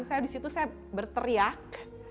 saya disitu saya berteriak